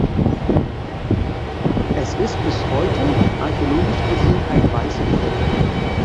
Es ist bis heute archäologisch gesehen ein „"weißer Fleck"“.